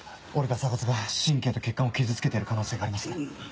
折れた鎖骨が神経と血管を傷つけてる可能性があります。